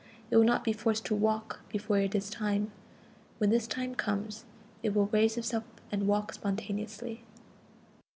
It will not be forced to walk before it is time. When this time comes, it will raise itself and walk spontaneously.